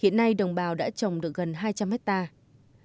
hiện nay đồng bào đã trồng được gần hai trăm linh hectare